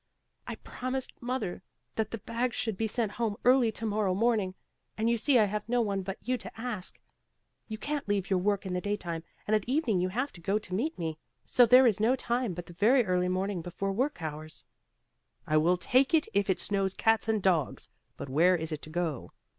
"I promised mother that the bag should be sent home early tomorrow morning, and you see I have no one but you to ask. You can't leave your work in the daytime and at evening you have to go to meet me; so there is no time but the very early morning before work hours." "I will take it if it snows cats and dogs; but where is it to go?"